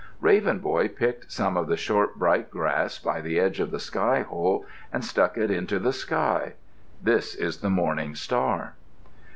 Raven Boy picked some of the short, bright grass by the edge of the sky hole and stuck it into the sky. This is the morning star.